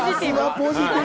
ポジティブ。